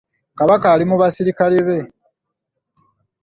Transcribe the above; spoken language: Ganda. Kabaka ali mu basirikale be.